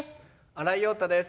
新井庸太です。